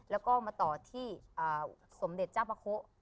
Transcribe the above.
แล้วก็มาต่อที่ส่วนเดชสมเดชจ้าวพะโค